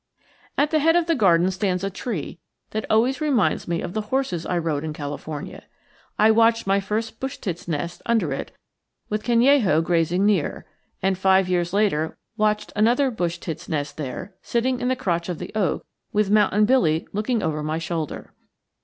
At the head of the garden stands a tree that always reminds me of the horses I rode in California. I watched my first bush tit's nest under it, with Canello grazing near; and five years later watched another bush tit's nest there, sitting in the crotch of the oak with Mountain Billy looking over my shoulder.